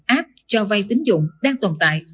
app cho vay tính dụng đang tồn tại